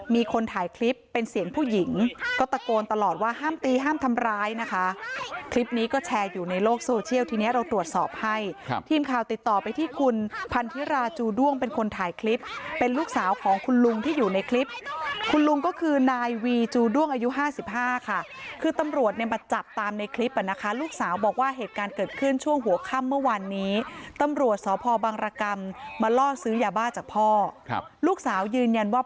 มีคนถ่ายคลิปเป็นเสียงผู้หญิงก็ตะโกนตลอดว่าห้ามตีห้ามทำร้ายนะคะคลิปนี้ก็แชร์อยู่ในโลกโซเชียลทีเนี้ยเราตรวจสอบให้ทีมข่าวติดต่อไปที่คุณพันธิราจูด่วงเป็นคนถ่ายคลิปเป็นลูกสาวของคุณลุงที่อยู่ในคลิปคุณลุงก็คือนายวีจูด่วงอายุห้าสิบห้าค่ะคือตำรวจมาจับตามในคลิปนะคะลู